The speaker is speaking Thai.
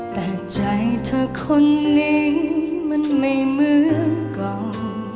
แต่ใจเธอคนนี้มันไม่เหมือนกล่อง